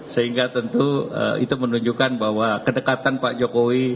sehingga tentu itu menunjukkan bahwa kedekatan pak jokowi